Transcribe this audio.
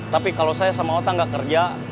tapi kalau saya sama otak gak kerja